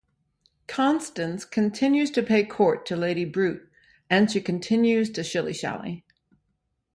Constant continues to pay court to Lady Brute, and she continues to shilly-shally.